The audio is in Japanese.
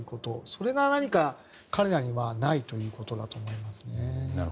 それが何か、彼らにはないということだと思いますね。